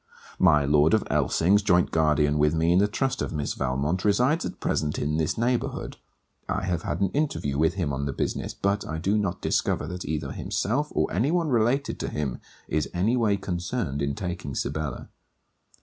My Lord of Elsings, joint guardian with me in the trust of Miss Valmont, resides at present in this neighbourhood. I have had an interview with him on the business; but I do not discover that either himself, or any one related to him, is any way concerned in taking Sibella.